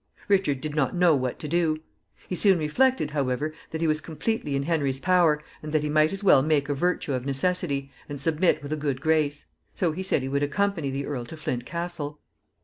Richard did not know what to do. He soon reflected, however, that he was completely in Henry's power, and that he might as well make a virtue of necessity, and submit with a good grace; so he said he would accompany the earl to Flint Castle.